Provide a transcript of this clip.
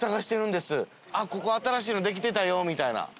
ここ新しいのできてたよみたいな。